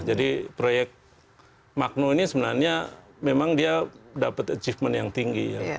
jadi proyek magno ini sebenarnya memang dia dapat achievement yang tinggi